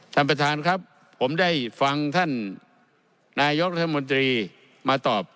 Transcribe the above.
ท่านประธานครับผมได้ฟังท่านนายกรัฐมนตรีมาตอบ